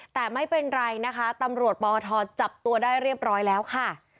แต่ไม่เป็นไรนะคะตำรวจปอทจับตัวได้เรียบร้อยแล้วค่ะ